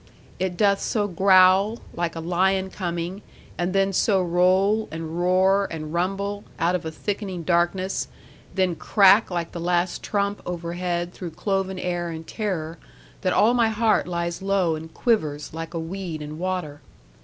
It doth so growl, like a lion coming, and then so roll, and roar, and rumble, out of a thickening darkness, then crack like the last trump overhead through cloven air and terror, that all my heart lies low and quivers, like a weed in water.